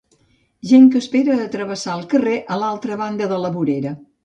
Gent que espera a travessar el carrer a l'altra banda de la vorera.